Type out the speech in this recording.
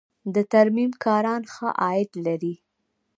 د ترمیم کاران ښه عاید لري